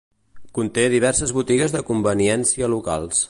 Conté diverses botigues de conveniència locals.